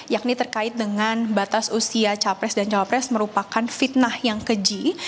yakni terkait dengan batas usia capres dan cawapres merupakan fitnah yang keji